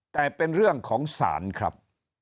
แต่เป็นเรื่องของศาลครับ